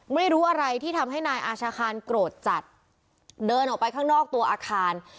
ไม่รู้อะไรที่ทำให้นายอาชาคารโกรธจัดเดินออกไปข้างนอกตัวอาคาร